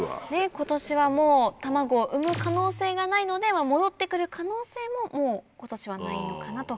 今年はもう卵を産む可能性がないので戻って来る可能性も今年はないのかなと。